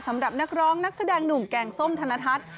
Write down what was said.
สำหรับนักร้องนักแสดงหนุ่มแกงส้มธนทัศน์